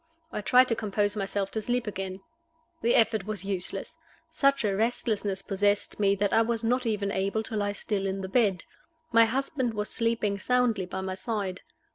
I tried to compose myself to sleep again. The effort was useless. Such a restlessness possessed me that I was not even able to lie still in the bed. My husband was sleeping soundly by my side.